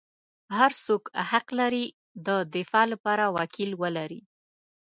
هر څوک حق لري د دفاع لپاره وکیل ولري.